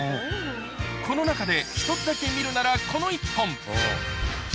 この中で１つだけ見るならこの１本。